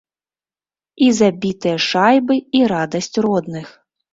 І забітыя шайбы, і радасць родных.